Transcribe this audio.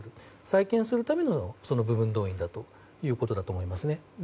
再建するための部分動員ということだと思いますね。